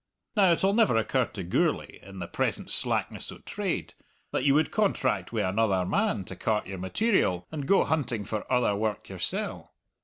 Now, it'll never occur to Gourlay, in the present slackness o' trade, that you would contract wi' another man to cart your material, and go hunting for other work yoursell.